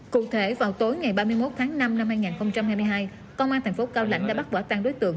cụ thể vào tối ngày ba mươi một tháng năm năm hai nghìn hai mươi hai công an thành phố cao lãnh đã bắt quả tăng đối tượng